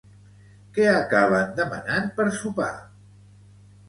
Què acaben demanant per sopar?